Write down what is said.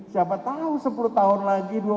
siapa tahu sepuluh tahun lagi